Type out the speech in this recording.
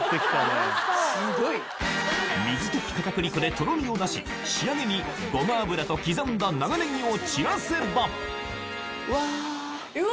水溶き片栗粉でトロミを出し仕上げにごま油と刻んだ長ネギを散らせばうわ。